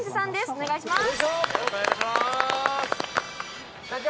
お願いします